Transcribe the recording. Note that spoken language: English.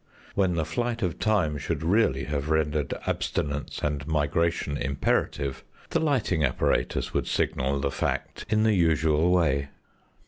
When the flight of time should really have rendered abstinence and migration imperative the lighting apparatus would signal the fact in the usual way.